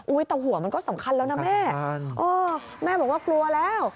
แต่หัวมันก็สำคัญแล้วนะแม่แม่บอกว่ากลัวแล้ว